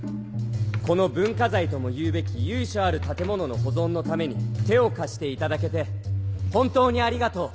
この文化財とも言うべき由緒ある建物の保存のために手を貸していただけて本当にありがとう。